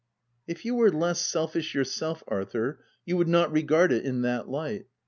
" If you were less selfish yourself, Arthur, you would not regard it in that light."